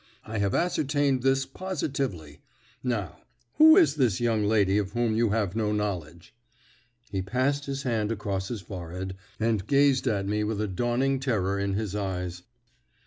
I have ascertained this positively. Now, who is this young lady of whom you have no knowledge?" He passed his hand across his forehead, and gazed at me with a dawning terror in his eyes.